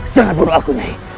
jangan bunuh aku nyai